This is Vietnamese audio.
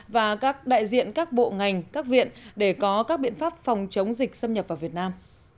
và các đại diện các bộ ngành các viện để có các biện pháp phòng chống dịch xâm nhập vào việt nam